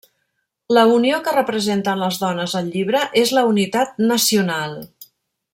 La unió que representen les dones al llibre és la unitat nacional.